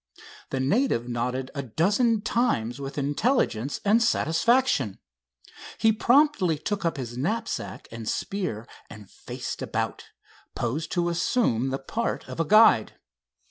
The native nodded a dozen times with intelligence and satisfaction. He promptly took up his knapsack and spear and faced about, posed to assume the part of a guide.